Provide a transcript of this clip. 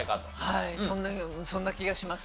はいそんな気がします